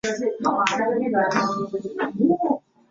原韩国名为朴庆培。